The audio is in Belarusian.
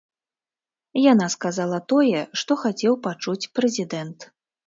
Яна сказала тое, што хацеў пачуць прэзідэнт.